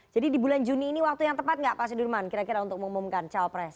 jadi di bulan juni ini waktu yang tepat nggak pak sudiman kira kira untuk mengumumkan cawapres